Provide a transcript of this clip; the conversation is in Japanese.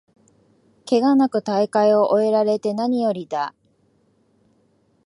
ケガなく大会を終えられてなによりだ